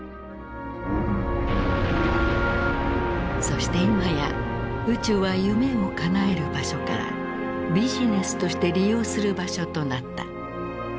そして今や宇宙は夢をかなえる場所からビジネスとして利用する場所となった。